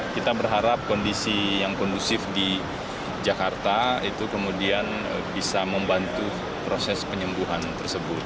kita berharap kondisi yang kondusif di jakarta itu kemudian bisa membantu proses penyembuhan tersebut